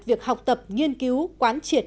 việc học tập nghiên cứu quán triệt